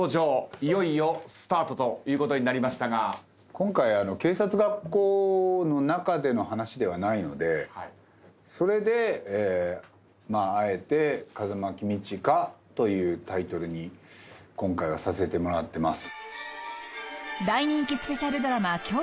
今回警察学校の中での話ではないのでそれであえて『風間公親』というタイトルに今回はさせてもらってます。